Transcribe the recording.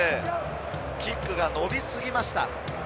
キックが伸びすぎました。